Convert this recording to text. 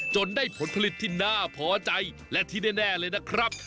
ได้ผลผลิตที่น่าพอใจและที่แน่เลยนะครับ